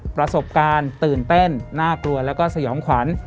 ประสบการณ์ตื่นเต้นน่ากลัวแล้วก็สยองขวัญ